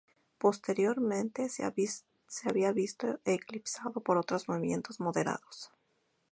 Posteriormente se ha visto eclipsado por otros movimientos moderados.